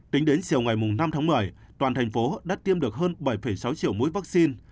tính đến chiều ngày năm tháng một mươi toàn thành phố đã tiêm được hơn bảy sáu triệu mũi vaccine